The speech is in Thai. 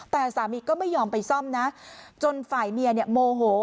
แต่สามีก็ไม่ยอมไปซ่อมนะจนฝ่ายเมียเนี่ยโมโห